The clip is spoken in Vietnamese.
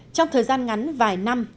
trong thời gian ngắn vài năm